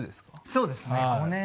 そうですね。